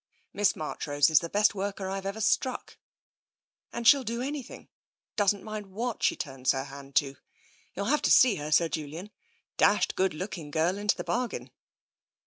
" Miss Marchrose is the best worker Tve ever struck. And she'll do anything — doesn't mind what she turns her hand to. You'll have to see her, Sir Julian — dashed good looking girl into the bargain."